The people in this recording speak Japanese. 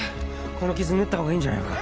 この傷縫った方がいいんじゃないのか？